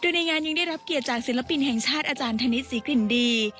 โดยในงานยังได้รับเกียรติจากศิลปินแห่งชาติอาจารย์ธนิษฐศรีกลิ่นดี